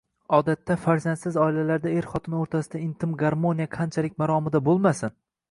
Odatda, farzandsiz oilalarda er-xotin o‘rtasidagi intim garmoniya qanchalik maromida bo‘lmasin